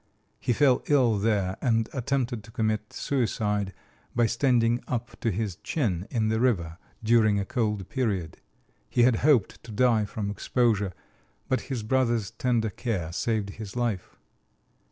He fell ill there and attempted to commit suicide by standing up to his chin in the river during a cold period. He had hoped to die from exposure, but his brother's tender care saved his life.